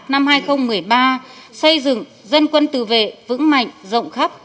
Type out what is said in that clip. năm hai nghìn một mươi ba xây dựng dân quân tự vệ vững mạnh rộng khắp